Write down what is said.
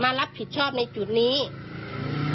มารับผิดชอบในภูมินเกี่ยวนี้